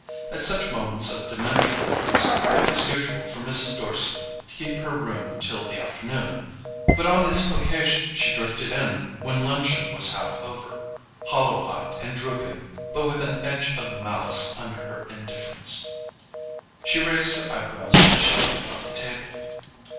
At such moments of diminished interest it was usual for Mrs. Dorset to keep her room till the afternoon; but on this occasion she drifted in when luncheon was half over, hollowed eyed and drooping, but with an edge of malice under her indifference. She raised her eyebrows as she looked about the table.